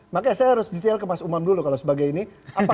makanya saya harus detail ke mas umam dulu kalau sebagai ini